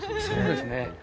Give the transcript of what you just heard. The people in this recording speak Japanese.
そうですね。